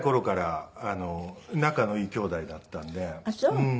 うん。